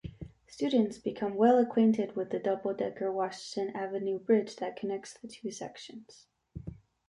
Students become well-acquainted with the double-decker Washington Avenue Bridge that connects the two sections.